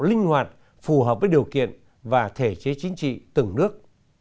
linh hoạt phù hợp với điều kiện và thể chế chính trị từng nước